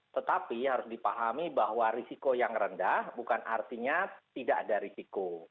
tetapi harus dipahami bahwa risiko yang rendah bukan artinya tidak ada risiko